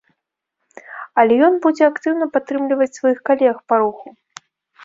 Але ён будзе актыўна падтрымліваць сваіх калег па руху.